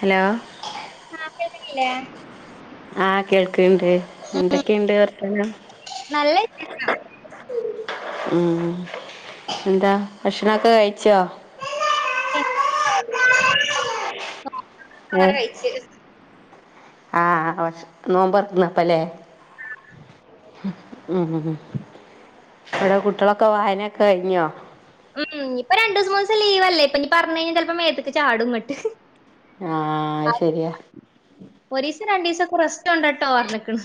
Hello ആഹ് കേൾക്കുന്നില്ലേ ആഹ് കേൾക്കണ്ട് എന്തൊക്കെയുണ്ട് വർത്തനം ഇത്ത ഉം എന്താ ഭക്ഷണോക്കെ കഴിച്ചോ [unintelligible] ക്കെ ഏഹ് കാഴ്ച് ആഹ് നോമ്പറക്കുന്നപ്പല്ലേ [unintelligible] ഉ ഏ ടെ കുട്ടികളൊക്കെ വായനൊക്കെ കഴിഞ്ഞോ ഉം ഇപ്പൊ രണ്ട മൂന്നീസം ലീവല്ലേ ഇപ്പ ഇനി പറഞ്ഞു കഴിഞ്ഞാൽ ചിലപ്പോ മേത്തക്ക് ചാടുംങ്ങട്ട് ആഹ ശരിയാ പ്രശ്ംനുണ്ട് ട്ടോ പറഞ്ഞക്കണ്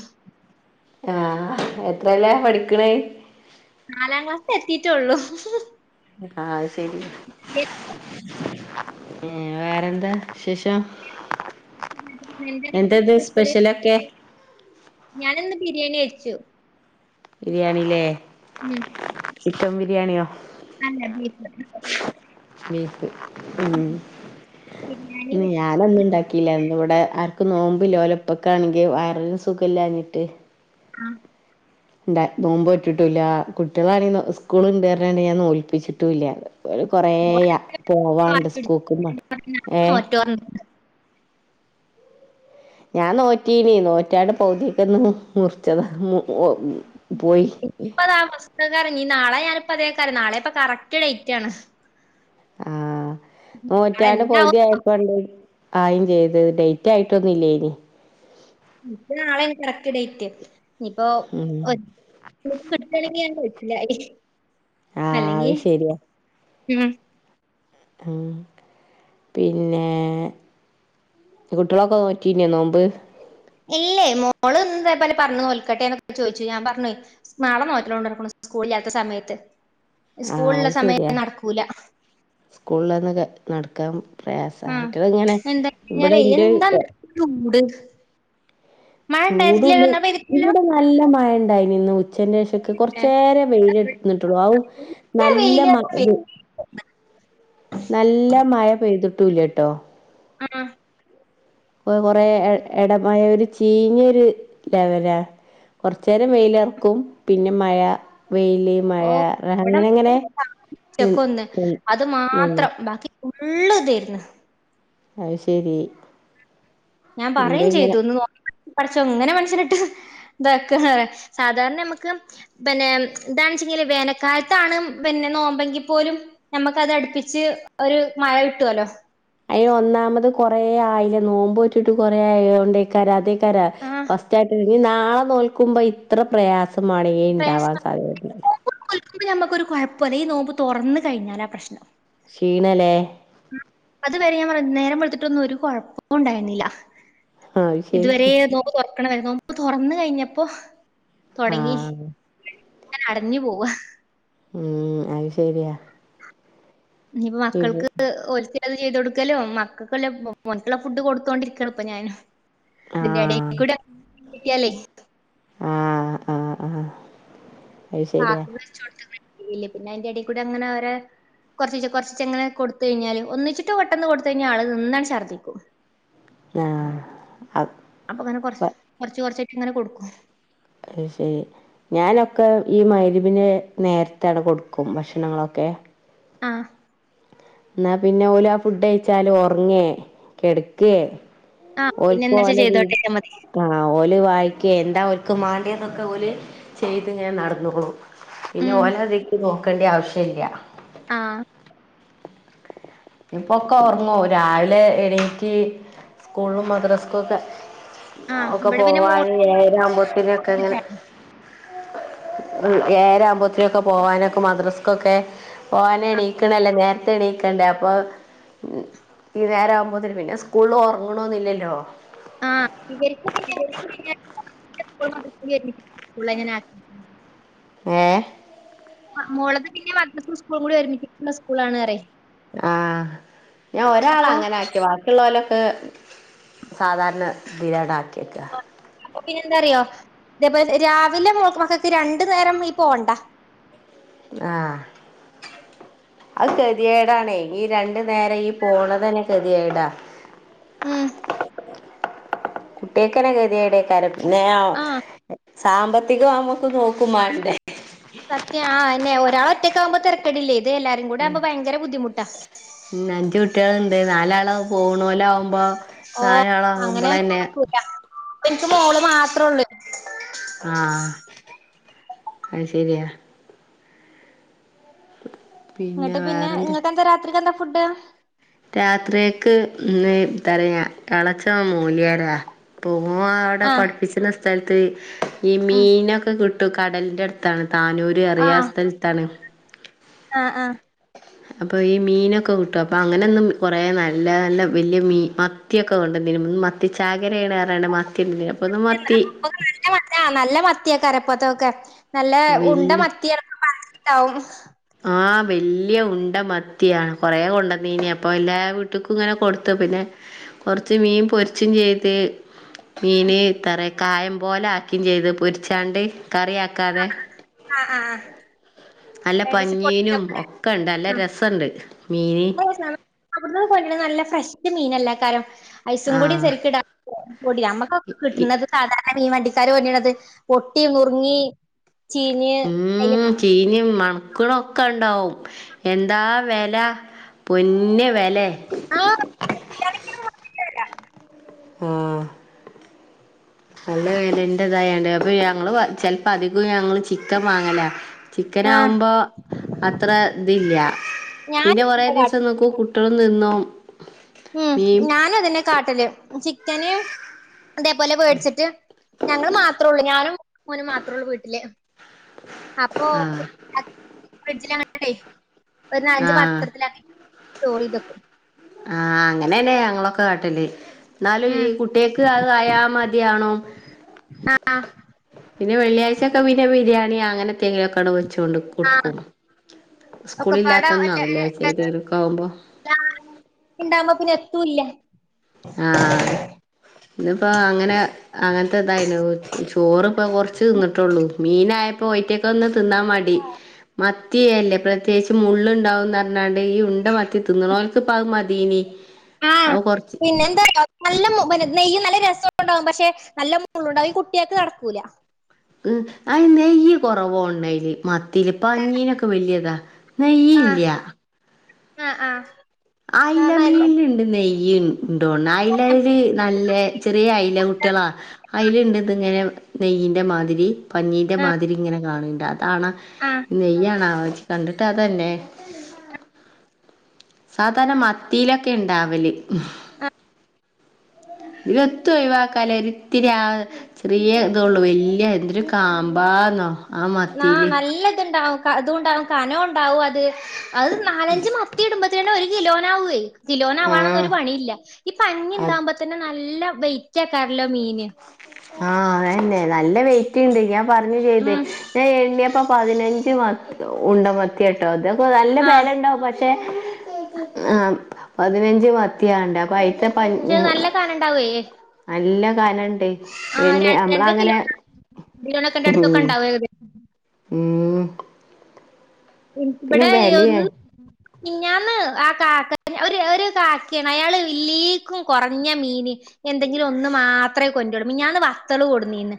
ആഹ് എത്രല്ലേ പഠിക്കണേ നാലാം ക്ലാസ് എത്തിട്ടു ള്ളൂ ആഹ ശരി വേറെന്താ ശേ ശോ ന്താ എന്താങ്ങട്ട് എന്തത് സ്പെഷ്യലൊക്കെ ഞാന ഇന്ന് ബിരിയാണിഎച്ചു ബിരിയാണില്ലേ ഉം ചിക്കൻ ബിരിയാണിയോ അല്ല ബീഫ് ഉ ബിരിയാണി ന്ന് ഞാനൊന്നും ണ്ടാക്കീല്ല ഇവിടെ ആർക്കും നോമ്പ്ല്ല ഓലപ്പക്കാണെങ്കിൽ വയറിന് സുഖല്ലഞ്ഞിട്ട് ആഹ് ണ്ട നോമ്പോറ്റിട്ടുല്ല കുട്ടികളാണെ സ്കൂളണ്ടാറഞ്ഞു ഞാൻ നോല്പ്പിച്ചിട്ടുംല്ല ഒരു കൊറേ യ പോവാണ്ട് സ്കൂക് [unintelligible] ഏ ഞാൻ നോറ്റീനി നോറ്റാണ്ട് പൗതിക്കന്നു മുറിച്ചതാ മു ഓ പോയി ഇപ്പതാ ഫസ്റ്റ്ക്കാരം നാളെ ഞാനപ്പതേക്കാരം നാളെപ്പൊ കറക്റ്റ് ഡേറ്റ് ആണ് ആ നാളെ നോറ്റാണ്ട് എന്താവോ പൗതി ആയപ്പണ്ട് ആയിൻ ചെയ്ത് ഡെയ്റ്റ് ആയിട്ടൊന്നുല്ലേനി ൻക്ക് നാളെന് കറക്ട് ഡെയ്റ്റ് ഇപ്പോ ഉം ഒ-കിട്ടണെങ്കിഞാൻ കഴിച്ചിലായി ആഹ് അല്ലെങ്കി അത് ശരിയാ ഉം ഉം പിന്നെ കുട്ട്യളൊക്കെ നോറ്റിന്യോ നോമ്പ് ഇല്ലേ മോള്ന്ന് ദേപോലെ പറഞ്ഞു നോൽക്കട്ടെന്നൊക്കെ ചോയ്ച്ചു ഞാൻ പറഞ്ഞു നാളെനോറ്റോളോ സ്കൂളില്ലാത്ത സമയത്ത് ആ സ്കൂളിലുള്ള അത് ശരിയാ സമയം നടക്കൂല സ്കൂൾള്ളന്ന് നടക്കാ പ്രയാസ ആ ഐറ്റള്ങ്ങനെ എന്താ ഇവടെ കഴിഞ്ഞാലേ ഇന്റെ എന്താ ഇന്നത്തെ ചൂട് മഴ ഉണ്ടായിരുന്നില്ലല്ലോ ചൂടുണ്ട് എന്നാ പെയ്തിട്ടില്ലല്ലോ ഇവിടെ നല്ല മഴണ്ടായിനി ഉച്ചന്റെഷൊക്കെ ഏ, കൊറച്ചേര വെയിലെന്നിട്ടുള്ളു ആഉ നല്ല വെയില് മ പെയ്തു. നല്ല മഴ പെയ്ത്ട്ടൂല്ല്യട്ടോ ആ കൊറേ എടമയ ഒരു ചീഞൊരു ലവല കൊർചേരം വെയിലർക്കും പിന്നെ മഴ വെയില് മയ ഓ ഇവിടെ അങ്ങനെങ്ങനെ ഉച്ചക്കൊന്ന് [unintelligible] ഫുള്ള്തേര്ന്ന് അയ്ശരി ഞാൻ പറയും ചെയ്തു ഒന്ന് നോ [unintelligible] പടച്ചോൻ ഇങ്ങനെ മൻസനട്ട് [unintelligible] സാധാരണമ്മക്ക് പിന്നെ താണ്ചെങ്കിൽ വേനക്കാലത്താണ് പി നോമ്പെങ്കിപോലും നമ്മക്കത് അടുപ്പിച്ച് ഒരു മഴ കിട്ടോലോ അയ്ന് ഒന്നാമത് കൊറേ ആയിലെ നോമ്പോറ്റിട്ട് കൊറേ ആയോണ്ടേക്കാരം അതേക്കാരം ആഹ് ഫസ്റ്റായിട്ട് നാളെ നോൽക്കുമ്പോ ഇത്ര പ്രയാസമാണ്ണങ്കി ഇണ്ടാവാൻ സാധ്യതല്ല അപ്പ നമക്കൊരു കുഴപ്പല്ല ഈ നോമ്പ് തുറന്ന കഴിഞ്ഞലാ പ്രശ്നം ക്ഷീണലേ അത്വവരെ ഞാൻപറ നേരംവെളുത്തിട്ടൊന്നും ഒരു കൊഴപ്പോണ്ടായിരുന്നില്ല ആഹ് അത് ഇതുവരെ ശരി നോമ്പ്തുറക്കണയിരുന്നു തുറന്ന് കഴിഞ്ഞപ്പോ തുടങ്ങി ആഹ് [unintelligible] ങ്ങനെ അടഞ്ഞുപോവ ഉം അയ് ശരിയാ ഞ്പ്പം ഇവ് മക്കൾക്ക് ഓൽക്ക് ചെയ്തൊടുക്കലും മക്കൾക്കല്ല മോൻക്ക്ള്ള ഫുഡ് കൊടുത്തോണ്ടിരിക്കണ് ഇപ്പൊ ഞാൻ ആഹ് അതിന്റെടൽക്കൂടെ [unintelligible] ല്ലേ ആ ആആഹ [unintelligible] പിന്നെ അതിന്റെട കൂടെ അങ്ങനെഓരോ കൊർചീച കൊർചീച്ചങ്ങനെ കൊടുത്തഴിഞ്ഞാല് ഒന്നിച്ചിട്ട് പെട്ടെന്ന് കൊടുത്തഴിഞ്ഞാല് ആള് നിന്നാട് ചർദ്ദിക്കും ആഹ് അപ്പ അപ്പൊങ്ങനെ കൊറച്ച് കൊറച്ച് കൊറചായിട്ട്ങ്ങനെ കൊടുക്കും ഐഷരി ഞാനൊക്കെ ഈ മഅ‌രിബിന്റെ നേരത്താണ് കൊടുക്കും ഭക്ഷണങ്ങളൊക്കെ ആ ന്നാ പിന്നെ ഓല ആ ഫുഡ്ഴച്ചാല് ഉറങ്ങേ കെടക്കേ ആ പിന്നെ ഓല്ക്ക് എന്താ വെച്ചാ ഓല രീ ചെയ്തോട്ടെ വെച്ചാ മതി ആ ഓല് വായി ക്കെ എന്താ ഓൽക്ക് മാണ്ടേന്നൊക്കെ ഓല് ചെയ്ത്ങ്ങനെ നടന്ന്ക്ക്ണു പിന്നെ ഉം ഓലതീക്ക് നോക്കേണ്ട ആവശ്യല്ല ആഹ് ഇപ്പൊക്കെ ഓർങ്ങോ രാവിലെ എണറ്റ് സ്കൂള്ളും മദ്രസ്സ്ക്കും ഒക്കെ ആ ഒക്കെ ഇവിടെ പിന്നെ മോൾ പോവാന് ഏഴര ആവുമ്പോത്തിനൊക്കെങ്ങനെ ഉം ഏഴരാവുമ്പോത്തിനൊക്കെ പോവാനൊക്കെ മദ്രസ്ക്കൊക്കെ ഓന് എണീക്ക്ണല്ലേ നേരത്തെ എണീക്കണ്ടേ അ പ്പ ഈ നേരാവുമ്പോത്തിന് പിന്നെ സ്കൂള്ള് ഒർങ്ങ്ണൊന്നില്ലല്ലോ ആഹ് പുള്ള എങ്ങനാ? ഏ? മോളത് പിന്നെ മദ്രസ്സും സ്കൂളും കൂടി ഒരുമിച്ചിട്ടുള്ള സ്കൂളാണ്റയാ ആഹ് ഞാൻ അപ്പൊ ഒരാളങ്ങനെ ആക്കി ബാക്കിയുള്ളോലോ ക്കെ സാധാരണ തീലാണ് ആക്കിയക്കാ അപ്പൊ പിന്നെ എന്താറിയോ ഇതേപോലെ രാവിലെ മോക്ക് മക്കക്ക് രണ്ടു നേരം ഈ പോണ്ട ആഹ് അത് കെതിയേടാണേ ഈ രണ്ടു നേരം ഈ പോണതെന്നെ കെതിയേടാ മ്ഹ് കുട്ട്യാക്കെന്നെ കെതിയേടേക്കാരം ആഹ് സാമ്പത്തികം നമ്മുക്ക് നോക്കുമ്മാണ്ടേ സത്യം ആ അയെന്നെ ഒരാളൊറ്റക്കാവുമ്പോ തെരക്കടില്ലേ അഞ്ച് കുട്ടികളുണ്ട് നാലാള് പോണോലാവുമ്പൊ ഓ അങ്ങനെ നാലാളാകുമ്പളെന്നെ- നടക്കൂല എനിക്ക് മോള് മാത്രേ ഉള്ളൂ ആഹ് അത് ശരിയാ [unintelligible] എന്നിട്ട് പിന്നെ വേറെന്ത് നിങ്ങക്കെന്താ രാത്രിക്കെന്താ ഫുഡ്? രാത്രിയക്ക് ഇന്ന് തരയാ തളച്ച മൂലിയാര പോ ഓ അവിടെ ആഹ് പഠിപ്പിച്ച്ണ സ്ഥലത്ത് ഈ ഉം മീനൊക്കെ കിട്ടും കടലിന്റെടുത്താണ് താനൂര് അറിയാത്തഒരു സ്ഥലത്താണ് ആ ആ അപ്പൊ ഈ മീനൊക്കെ കിട്ടും അപ്പൊ അങ്ങനൊന്നും കൊറേ നല്ല നല്ല വല്യ മീ മത്തിയൊക്കെ കൊണ്ട്- മത്തി ചാകരേയായ കാരണമാണ് കൊണ്ടാണ് മത്തി- അപ്പോൾ ഒന്ന് മത്തി നല്ല മ ആ നല്ല മത്തിയേക്കാരപ്പത്തൊക്കെ നല്ല ഉണ്ട വലിയ മത്തി അപ്പ പനഞ്ഞിണ്ടാവും ആ വല്യ ഉണ്ട മത്തിയാണ് കൊറേ കൊണ്ടന്നീനി അപ്പൊ എല്ലാ വീട്ട്ക്കുംങ്ങനെ കൊടുത്തു പിന്നെ- കൊറച്ച് മീൻ പൊരിച്ചും ചെയ്ത് മീന് ഇത്ര കായം പോലെ ആക്കിം ചെയ്ത് പൊരിച്ചാണ്ട് കറി ആക്കാതെ- ആ ആ പഞ്ഞീനും ഒക്കെണ്ട് നല്ല രസണ്ട് മീന് ഓ അവിടു കൊണ്ടെർനെ നല്ല ഫ്രഷ് മീനല്ലെക്കാരം ഐസും കൂടി ആഹ് സെര്ക്ക് ഇടാ നമ്മക്കൊക്കെ ഇ ഇ കിട്ടുന്നത് സാധാരണ മീൻ വണ്ടിക്കാര് [unintelligible] പൊട്ടി നുർങ്ങി ഉം ചീഞ്ഞും മണ്ക്ക്ണൊക്കെണ്ടാവും എന്താ വില പൊന്ന് വെലേ ആഹ് ആഹ് നല്ല വെലന്റെ തായൊണ്ടേ അപ്പൊ ഞങ്ങള് ചെൽപ്പോ അധികോം ഞങ്ങള് ചിക്കൻ വാങ്ങല ചിക്കൻ ആഹ് ആകുമ്പോ അത്രഇത്‌ പിന്നെ ഞാനും കൊറേ ദിവസം നിക്കും നിന്നോ ഉം ഞാനും അതെന്നെ കാട്ടല് ചിക്കന്- അതേപോലെ വേടിച്ചിട്ട് ഞങ്ങള് മാത്രള്ളൂ ഞാനും ഓനും മാത്രള്ളൂ വീട്ടില് അപ്പൊ ആഹ് ഫ്രിഡ്ജിലങ്ങട്ട് വെക്കും ഒരു നാലഞ്ച് ആഹ് പാത്രത്തിലാക്കീട്ട് സ്റ്റോറെയ്തെക്കും ആ അങ്ങനെല്ലേ ഞങ്ങളൊക്കെ കാട്ടത് എന്നാലും ഈ ഉം കുട്ടികക്ക് അത്ആയ യാ മതിയാണോ ആ പിന്നെ വെള്ളിയാഴ്ചൊക്കെ പിന്നെ ബിരിയാണി അങ്ങനെത്തെന്തെിലും ഒക്കെടാവും കുച്ചൊണ്ട് ആഹ് കൊടുക്കും സ്കൂളി ല്ലാത്തൊന്നാവില്ലേ ഒക്കപ്പാടെ ചെയ്തിക്ക ആവുമ്പോ ഇണ്ടാവുമ്പോ പിന്നെ എത്തൂല്ല ആ ഇന്നപ്പോ അങ്ങനെ അങ്ങനത്തെ ഇതായിന ചോറ് കൊറച്ച് തിന്നിട്ടുള്ളൂ മീനായപ്പോറ്റക്ക ഒന്ന് തിന്നാ മടി മ- മത്തിയല്ലേ പ്രത്യേകിച്ചും മുള്ളു ണ്ടാവുംന്ന് പറഞ്ഞാണ്ട് ഈ ഉണ്ട മത്തി തിന്നോഓക്ക് ഇപ്പ മതീനി അവ കൊറച്ച് നല്ലെ നെയ്യ നല്ല രസംണ്ടാവും പക്ഷെ നല്ല മണ്ടാവും കുട്ടികൾക്ക് നടക്കൂല ഉ അ നെയ്യ് കുറവോണ്ടായില് മ- തിലപ്പഞ്ഞീനൊക്കെ വലിയതാ നെയ്ല്ല ആആ അയിലമീനിന്നുണ്ട് നെയ്യ് ഉണ്ടോല അതില് നല്ല ചെറിയ അല കുട്ടികളാ അയില ഇണ്ട് ഇങ്ങനെ നെയ്യിൻ്റെ മാതിരി പഞ്ഞീൻ്റെ ആ മാതിരി ഇങ്ങനെ കാണണ്ട് ആണ് ആ നെയ്യാണാ കണ്ടിട്ട് അതന്നെ സാധാരണ മത്തിലൊക്കെ ഉണ്ടാവല് മം എത്ത് ഒഴിവാക്കാല്ല രിത്തിരി ആഹ് ചെറിയ ഇതള്ളു വല്യ എന്തുരു കാം ബാന്നോ ആ മത്തില് അതുംണ്ടാവും കനോണ്ടാവും അത് അഹ് നാലഞ്ജ് മത്തി ഇടുമ്പത്തേനു ഒരു കിലോനാവേ ആഹ് തിലോനാവാനൊന്നൊരു പണിയില്ല. ഇപ്പഞ്ഞി അത് ണ്ടാഉമ്പതന്നെ നല്ല വെയി ച്ച കര്ലോ മീന് ആ അതന്നെ, നല്ല വെയിറ്റിണ്ട് ഞാൻ പറഞ്ഞ് ചെയ്ത്, ഉം ഞാൻ എണ്ണിയപ്പ പതിനഞ്ച് [unintelligible] മത് ഉണ്ട മത്തിയാട്ടോ ഇതൊക്കെ നല്ല ആ വെല ഇണ്ടാവും പ ക്ഷേ ആഹ് പതിനഞ്ച് മത്തിയാണ്ട് അപ്പ അയ് പക്ഷെ അത് നല്ല കനണ്ടാവേ നല്ല കനണ്ട് എണ്ണി രണ്ട് രണ്ട് നമ്മളങ്ങനെ കിലോ കിലോനൊക്കെ അടുത്തൊക്കെ ഉം ഉണ്ടാവും ഏകദേശം ഉം പിന്നെ ഇവടെ ബലിയ ഒന്ന് മിഞ്ഞാന്ന് ആ കാക്ക ഒര് ഒരു കാക്കയാണ് അയാള് ഇല്ലിക്കും കൊറഞ്ഞ മീന് എന്തെങ്കിലും ഒന്ന് മാത്രേ കൊണ്ടരൂ മീൻ മിഞ്ഞാന്ന് വത്തള് കൊടുന്നീന്ന്,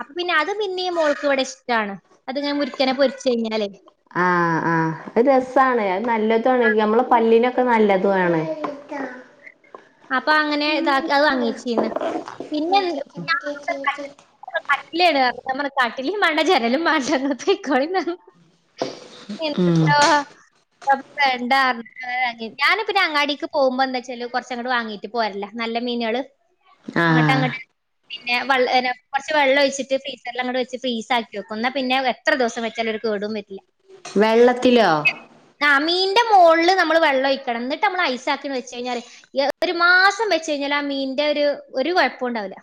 അപ്പൊ പിന്നെ അത് പിന്നേം മോൾക്ക് ഇവടെ ഇഷ്ടാണ്, അതിങ്ങനെ മുരിക്കനെ പൊരി ച്ചെയ്ഞ്ഞാലേ ആഹ് ആഹ് അത് രെസ്സാണ് അത് നല്ലതും ആണ് നമ്മളെ പല്ലിനാ ഒക്കെ നല്ലതും ആണ് അപ്പൊ അങ്ങനെ ഇതാക്കി അത് വാങ്ങിച്ചീന്ന് പിന്നെ [unintelligible] കാട്ടിലും മാണ്ട ജനലും മാണ്ടാ ഇങ്ങള് പൊയ്ക്കോളിന്ന് പറ ഉം പിന്നട്ട അപ്പൊ വേണ്ടാ പറഞ്ഞ് ഏഹ് വാങ്ങി ഞാനി പിന്നെ അങ്ങാടിക്ക് പോവുമ്പോ എന്താച്ചാല് കൊറച്ച് അങ്ങ്ട് വാങ്ങീട്ട് പോരലാ നല്ല മീനേള് ആഹ് ഇങ്ങട്ടാങ്ങ പിന്നെ വ [unintelligible] കൊറച്ച് വെള്ളം ഒഴിച്ചിട്ട് ഫ്രീസറിലാങ്ങ്ട് വെച്ച് ഫ്രീസാക്കി വെക്കും എന്നാ പിന്നെ എത്ര ദിവസം വെച്ചാലും ഒരു കേ കേടും വെരില്ല വെള്ളത്തിലോ ആഹ് മീന്റെ മോൾല് നമ്മള് വെള്ളം ഒഴിക്കണം എന്നിട്ട് നമ്മള് ഐസാക്കി ഒന്ന് വെച്ച് കഴിഞ്ഞാല് [unintelligible] ഒരു മാസം വെച്ച് കഴിഞ്ഞാല് ആ മീന്റെ ഒരു ഒരു കൊഴപ്പുണ്ടാവില്ല.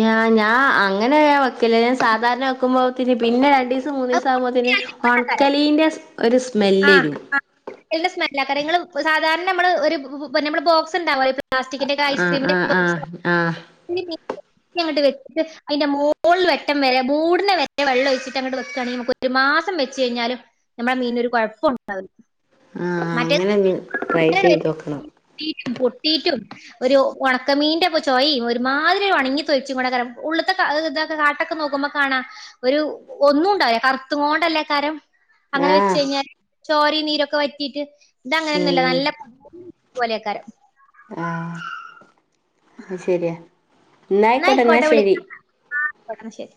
ഞാ ഞാ അങ്ങനെ നാൻ വെക്കലില്ല ഞാൻ സാധാരണ വെക്കുമ്പോത്തിന് പിന്നെ രണ്ടിസ മൂന്നീസാമത്തിനെ ഒണക്കലീന്റെ ഒരു സ്മെല്ല് ആഹ് വരും. ആഹ് നല്ല സ്മെല്ലാ പറ്യാ ങ്ങള് സാധാരപണമ്മള് ഒര് ബ് ബ് പ്ന്നെ മ്മളെ ബോക്സ്ണ്ടാവ് [unintelligible] പ്ലാസ്റ്റിക്ക്‌ന്റെക്കെ ആഹ് ഐസ്ക്രീംന്റെ ആഹ് ബോക്സ് ആഹ് ആഹ് [unintelligible] അങ്ങട്ട് വെച്ച്ട്ട് അയ്ന്റെ മോൾല് വെട്ടം വരെ മൂട്നെ വെരെ വെള്ളം ഒയ്ച്ച്ട്ടങ്ങട്ട് വെക്കാണെ മ്ക്ക് ഒര് മാ മാസം വെച്ചയ്ഞ്ഞാലും ഞമ്മളെ മീനാെരു കാെഴപ്പോംണ്ടാവ് ആഹ് മറ്റേ അങ്ങനെ ഇനി ട്രൈ ചെയ്തോക്കണം. [unintelligible] പൊട്ടീട്ടും ഒര് ഒണക്കമീന്റൊക്കെ ചൊയിം ഒര്മാതിര്യൊര് ഒണ്ങ്ങി തൊൽച്ച്ക്കോണ്ടെക്കാരം ഉള്ള്ത്തെ ക ഹ് തൊക്കെ കാട്ടാെ നോക്കുമ്പ കാണാ ഒരു ഒന്നുംണ്ടാ [unintelligible] കർത്ത്ങ്ങോണ്ടല്ലേക്കാരം അങ്ങനെ ആഹ് വെച്ചയ്ഞ്ഞാല് ചോരിം നീരൊക്കെ വറ്റീട്ട് ഇതങ്ങനെയൊന്നുംല്ല ഉം നല്ല പോലെക്കാരം ആഹ് അത്ശെര്യാ ന്നായ്ക്കോട്ടെ ന്നാ ശെരി ആഹ് യ്ക്കോട്ടെ ന്നാ ശെരി